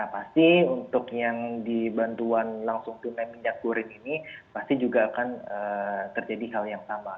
nah pasti untuk yang dibantuan langsung dengan minyak kurin ini pasti juga akan terjadi hal yang sama